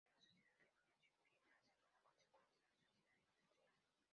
La sociedad de la información viene a ser una consecuencia de la sociedad industrial.